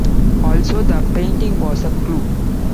Also, the painting was a clue.